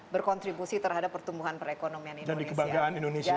berkontribusi terhadap pertumbuhan perekonomian indonesia